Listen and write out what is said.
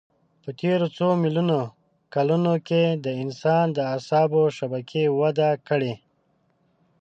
په تېرو څو میلیونو کلونو کې د انسان د اعصابو شبکې وده کړه.